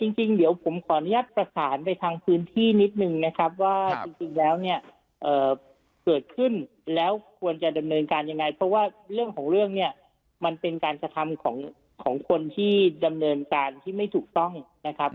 จริงเดี๋ยวผมขออนุญาตประสานไปทางพื้นที่นิดนึงนะครับว่าจริงแล้วเนี่ยเกิดขึ้นแล้วควรจะดำเนินการยังไงเพราะว่าเรื่องของเรื่องเนี่ยมันเป็นการกระทำของคนที่ดำเนินการที่ไม่ถูกต้องนะครับ